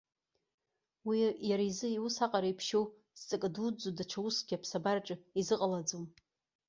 Уи иара изы иус аҟара иԥшьоу, зҵакы дуӡӡоу даҽа ускгьы аԥсабараҿы изыҟалаӡом.